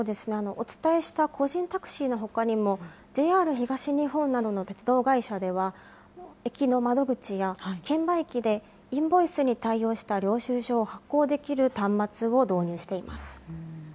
お伝えした個人タクシーのほかにも、ＪＲ東日本などの鉄道会社では、駅の窓口や券売機で、インボイスに対応した領収書を発行できる端末を導入しています。